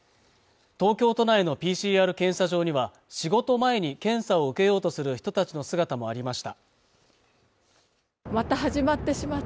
東京都内のＰＣＲ検査場には仕事前に検査を受けようとする人たちの姿もありました